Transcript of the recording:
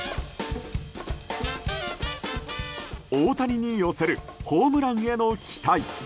大谷に寄せるホームランへの期待。